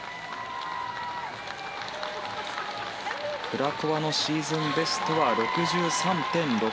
クラコワのシーズンベストは６３．６５。